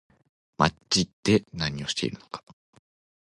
まぢで何してるのか